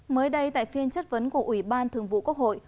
mới đây tại phiên chất vấn của ủy ban thường vụ quốc hội